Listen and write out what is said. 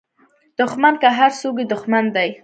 دوښمن که هر څوک وي دوښمن دی